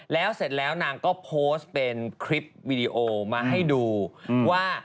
แล้วเสร็จแล้วนางก็โพสต์เป็นคลิปวีดีโอมาให้ดูว่า